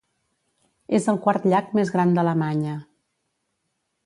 És el quart llac més gran d'Alemanya.